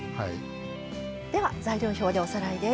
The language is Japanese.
材料表でおさらいです。